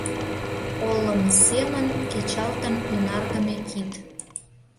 Олым семын кечалтын ӱнардыме кид.